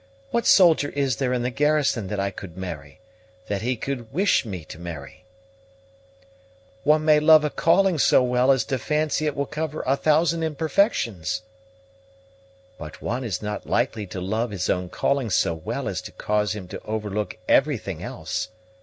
What soldier is there in the garrison that I could marry that he could wish me to marry?" "One may love a calling so well as to fancy it will cover a thousand imperfections." "But one is not likely to love his own calling so well as to cause him to overlook everything else.